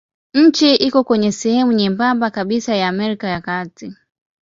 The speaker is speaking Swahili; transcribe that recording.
Nchi iko kwenye sehemu nyembamba kabisa ya Amerika ya Kati.